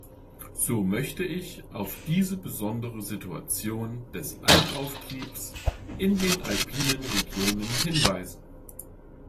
So möchte ich auf diese besondere Situation des Almauftriebes in den alpinen Regionen hinweisen.